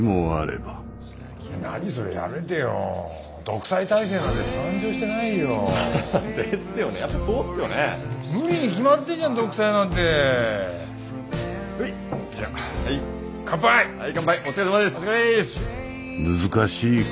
はい。